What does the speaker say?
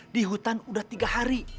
di hutan udah tiga hari